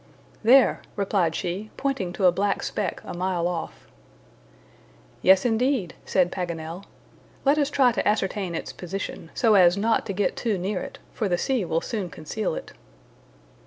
"There," replied she, pointing to a black speck a mile off. "Yes, indeed," said Paganel. "Let us try to ascertain its position, so as not to get too near it, for the sea will soon conceal it."